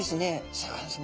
シャーク香音さま。